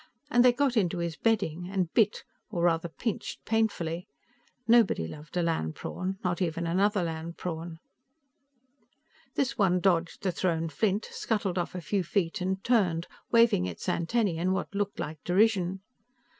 And they got into his bedding, and bit, or rather pinched, painfully. Nobody loved a land prawn, not even another land prawn. This one dodged the thrown flint, scuttled off a few feet and turned, waving its antennae in what looked like derision.